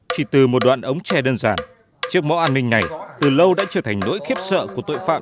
chỉ từ một đoạn ống tre đơn giản chiếc mũ an ninh này từ lâu đã trở thành nỗi khiếp sợ của tội phạm